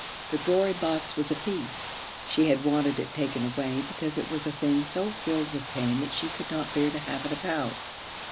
The Glory Box was a piece. She had wanted it taken away because it was a thing so filled with pain that she could not bear to have it about.